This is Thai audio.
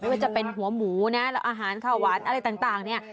ไม่ว่าจะเป็นหัวหมูนะหรือข้าวหวานอะไรต่างเนี่ย